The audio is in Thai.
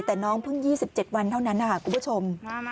แต่น้องเพิ่งยี่สิบเจ็ดวันเท่านั้นอ่ะคุณผู้ชม